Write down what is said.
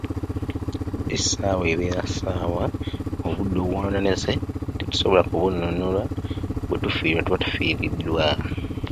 Essawa ebeera ssaawa, obudde obwonoonese tetusobola kubununula, bwe tubufiirwa tuba tubufiiriddwa.